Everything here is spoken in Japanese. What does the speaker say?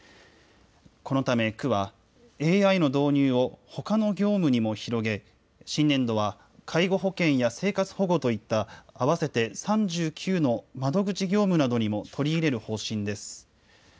このため区は、ＡＩの導入をほかの業務にも広げ、新年度は介護保険や生活保護といった、合わせて３９の窓口業務などにも取り入れる方針です。